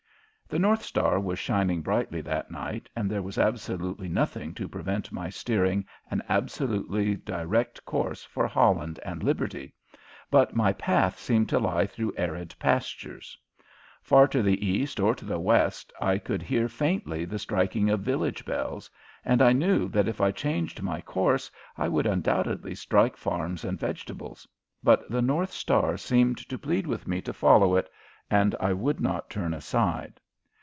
The North Star was shining brightly that night and there was absolutely nothing to prevent my steering an absolutely direct course for Holland and liberty, but my path seemed to lie through arid pastures. Far to the east or to the west I could hear faintly the striking of village bells, and I knew that if I changed my course I would undoubtedly strike farms and vegetables, but the North Star seemed to plead with me to follow it, and I would not turn aside.